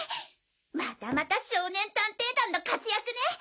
またまた少年探偵団の活躍ね！